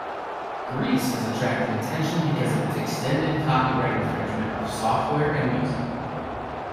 Greece has attracted attention because of its extended copyright infringement of software and music.